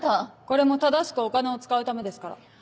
これも正しくお金を使うためですから。